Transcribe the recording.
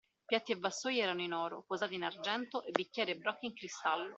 Piatti e vassoi erano in oro, posate in argento e bicchieri e brocche in cristallo.